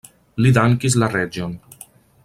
Li dankis la reĝon.